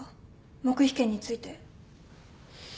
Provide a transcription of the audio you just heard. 黙秘権について。